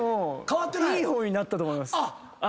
いい方になったと思います。